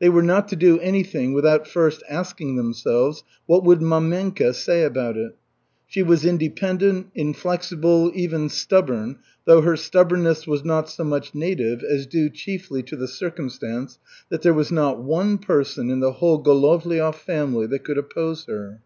They were not to do anything without first asking themselves, "What would mamenka say about it?" She was independent, inflexible, even stubborn, though her stubbornness was not so much native as due chiefly to the circumstance that there was not one person in the whole Golovliov family that could oppose her.